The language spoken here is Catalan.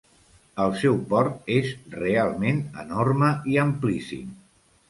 El seu port és realment enorme i amplíssim.